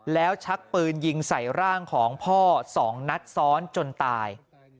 แล้วชักปืนยิงใส่ร่างของพ่อ๒นัดซ้อนจนตาย